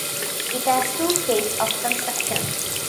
It has two states of construction.